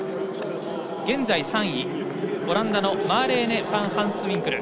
現在３位オランダのマーレーネ・ファンハンスウィンクル。